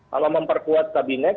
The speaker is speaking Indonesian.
kalau memperkuat kabinet